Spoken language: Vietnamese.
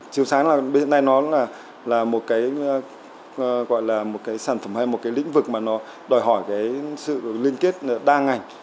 chiều sáng là một cái sản phẩm hay một cái lĩnh vực mà nó đòi hỏi cái sự liên kết đa ngành